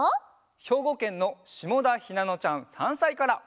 ひょうごけんのしもだひなのちゃん３さいから。